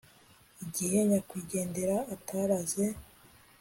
igihe nyakwigendera ataraze